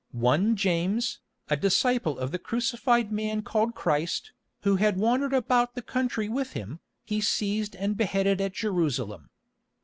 One James, a disciple of the crucified man called Christ, who had wandered about the country with him, he seized and beheaded at Jerusalem.